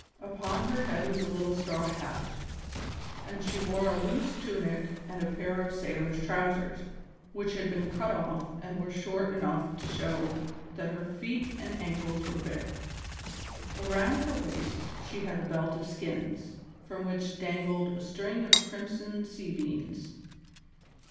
Upon her head was a little straw hat, and she wore a loose tunic and a pair of sailor's trousers, which had been cut off and were short enough to show that her feet and ankles were bare. Around her waist she had a belt of skins, from which dangled a string of crimson sea beans.